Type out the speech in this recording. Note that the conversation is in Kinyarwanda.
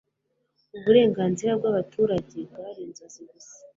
Uburenganzira bw'abaturage bwari inzozi gusa